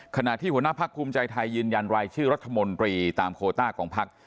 ขณะที่หัวหน้าพักภูมิใจไทยยืนยันรายชื่อรัฐมนตรีตามโคต้าของพัก